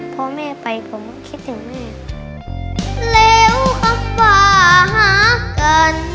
พ่อแม่ไปผมคิดถึงแม่